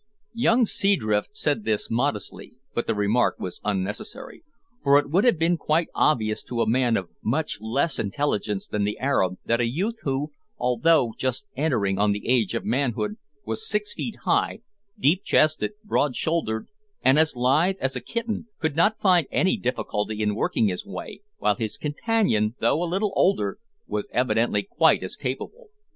Young Seadrift said this modestly, but the remark was unnecessary, for it would have been quite obvious to a man of much less intelligence than the Arab that a youth who, although just entering on the age of manhood, was six feet high, deep chested, broad shouldered, and as lithe as a kitten, could not find any difficulty in working his way, while his companion, though a little older, was evidently quite as capable.